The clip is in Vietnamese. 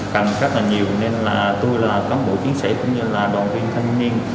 cảm giác là nhiều nên là tôi là cán bộ chiến sĩ cũng như là đoàn viên thanh niên